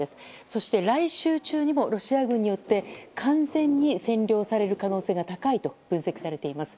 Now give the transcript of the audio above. そして、来週中にもロシア軍によって、完全に占領される可能性が高いと分析されています。